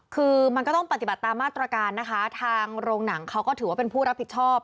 คือมันก็ต้องปฏิบัติตามมาตรการนะคะทางโรงหนังเขาก็ถือว่าเป็นผู้รับผิดชอบ